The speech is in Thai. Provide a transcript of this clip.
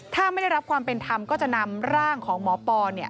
ถ้าไม่ได้รับความเป็นธรรมก็จะนำร่างของหมอปอเนี่ย